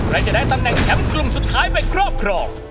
และจะได้ตำแหน่งแชมป์กลุ่มสุดท้ายไปครอบครอง